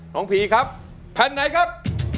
ผีครับแผ่นไหนครับ